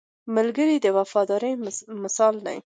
ملګری د وفادارۍ مثال دی